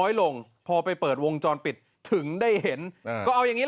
ลงพอไปเปิดวงจรปิดถึงได้เห็นอ่าก็เอาอย่างงี